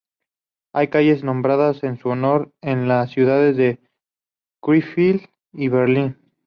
Hay calles nombradas en su honor en las ciudades de Krefeld y Berlín.